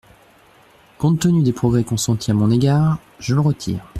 Compte tenu des progrès consentis à mon égard, je le retire.